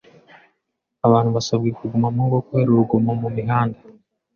Abantu basabwe kuguma mu ngo kubera urugomo mu mihanda.